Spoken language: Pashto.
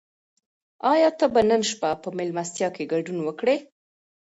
آیا ته به نن شپه په مېلمستیا کې ګډون وکړې؟